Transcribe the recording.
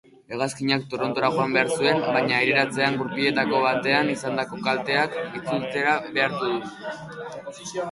Hegazkinak Torontora joan behar zuen, baina aireratzean gurpiletako batean izandako kalteak itzultzera behartu du.